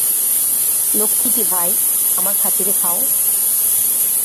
লক্ষ্মীটি ভাই, আমার খাতিরে খাও।